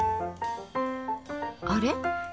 あれ？